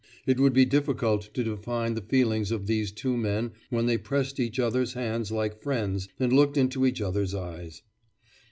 It would be difficult to define the feelings of these two men when they pressed each other's hands like friends and looked into each other's eyes.